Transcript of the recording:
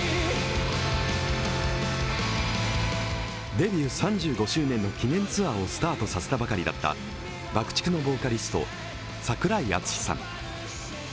デビュー３５周年の記念ツアーをスタートさせたばかりだったＢＵＣＫ−ＴＩＣＫのボーカリスト、櫻井敦司さん。